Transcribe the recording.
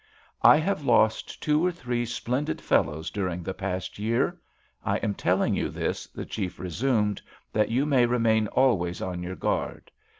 "I have lost two or three splendid fellows during the past year. I am telling you this," the chief resumed, "that you may remain always on your guard.